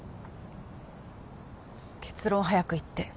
結論を早く言って。